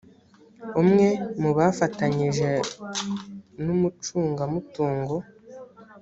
umwe mu bafatanyije n umucungamutungo